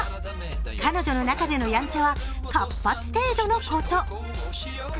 彼女の中でのヤンチャは活発程度のこと。